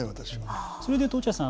それで言うと落合さん